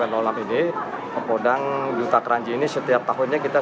setelah menjalani sholat idul fitri